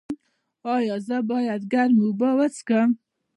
ایا زه باید ګرمې اوبه وڅښم؟